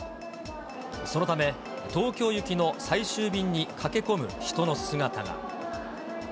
そのため、東京行きの最終便に駆け込む人の姿が。